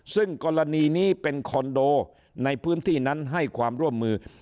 ซึ่งกรณีนี้เป็นคอนโดในพื้นที่นั้นให้ความร่วมมือ